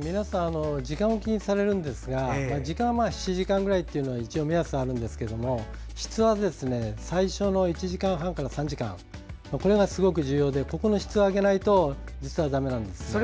皆さん時間を気にされますが時間は７時間くらいという目安はあるんですが質は最初の１時間半から３時間これがすごく重要でここの質を上げないと実はだめなんです。